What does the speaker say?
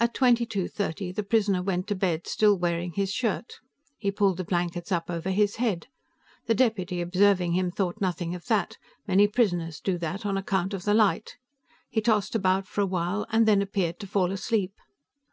"At twenty two thirty, the prisoner went to bed, still wearing his shirt. He pulled the blankets up over his head. The deputy observing him thought nothing of that; many prisoners do that, on account of the light. He tossed about for a while, and then appeared to fall asleep.